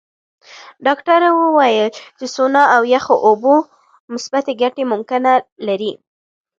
ډاکټره وویل چې سونا او یخو اوبو مثبتې ګټې ممکنه لري.